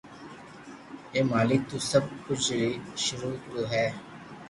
اي مالڪ تو سب ڪجھ ھي سروع تو ھي